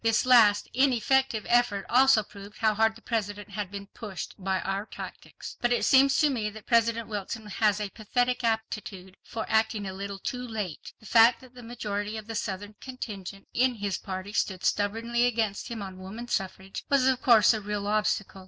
This last ineffective effort also proved how hard the President had been pushed by our tactics. But it seems to me that President Wilson has a pathetic aptitude for acting a little too late. The fact that the majority of the Southern contingent in his party stood stubbornly against him on woman suffrage, was of course a real obstacle.